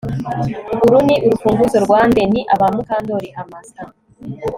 Uru ni urufunguzo rwa nde Ni aba Mukandoli Amastan